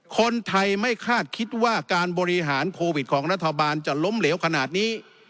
คนไทยไม่คาดคิดว่าการบริหารโควิดของรัฐบาลจะล้มเหลวขนาดนี้